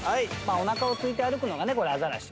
おなかをついて歩くのがねアザラシ。